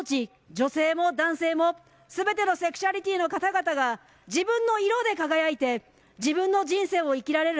女性も男性もすべてのセクシャリティーの方々が自分の色で輝いて自分の人生を生きられる。